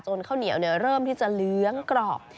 ข้าวเหนียวเริ่มที่จะเลี้ยงกรอบ